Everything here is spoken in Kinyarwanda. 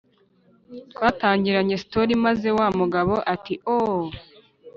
twatangranye story maze wa mugabo ati ooh